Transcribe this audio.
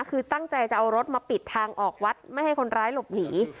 คือตั้งใจจะเอารถมาปิดทางออกวัดไม่ให้คนร้ายหลบหนี